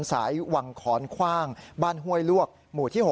สายวังขรขว้างบ้านห้วยลวกหมู่ที่๖